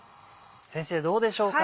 先生どうでしょうか？